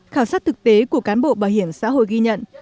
khảo sát thực tế của cán bộ bảo hiểm xã hội ghi nhận